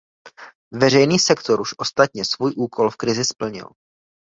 Veřejný sektor už ostatně svůj úkol v krizi splnil.